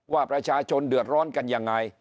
ว่าประชาชนเดือดร้อนกันยังไง